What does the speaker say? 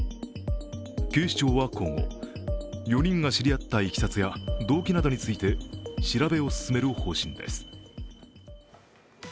警視庁は今後、４人が知り合ったいきさつや動機などについて調べを進める方針です。